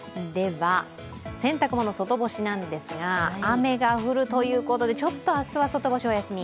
洗濯物、外干しなんですが、雨が降るということで、ちょっと明日は外干しお休み？